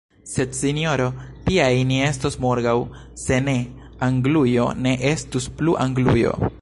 Sed, sinjoro, tiaj ni estos morgaŭ: se ne, Anglujo ne estus plu Anglujo!